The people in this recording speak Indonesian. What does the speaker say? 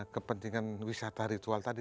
kepentingan wisata ritual tadi